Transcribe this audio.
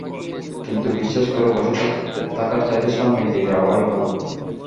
কিন্তু বিশ্বাস করো, বসে থাকার চাইতে সামনে এগিয়ে যাওয়াই ভালো।